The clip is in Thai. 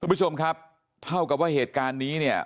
คุณผู้ชมครับเท่ากับว่าเหตุการณ์นี้เนี่ย